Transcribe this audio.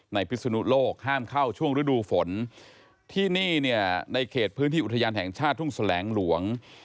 พิศนุโลกห้ามเข้าช่วงฤดูฝนที่นี่เนี่ยในเขตพื้นที่อุทยานแห่งชาติทุ่งแสลงหลวง